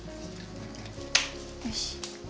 よし。